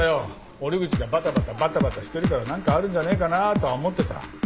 折口がバタバタバタバタしてるから何かあるんじゃねえかなとは思ってた。